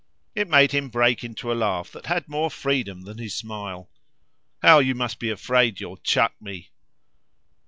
It made him break into a laugh that had more freedom than his smile. "How you must be afraid you'll chuck me!"